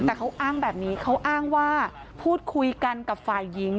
แต่เขาอ้างแบบนี้เขาอ้างว่าพูดคุยกันกับฝ่ายหญิง